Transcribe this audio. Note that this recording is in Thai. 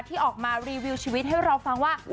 ที่ออกมารีวิวชีวิตให้เราฟังว่า